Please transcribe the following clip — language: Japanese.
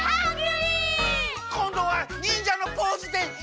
こんどはにんじゃのポーズでハングリー！